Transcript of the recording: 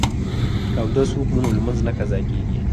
که اودس وکړو نو لمونځ نه قضا کیږي.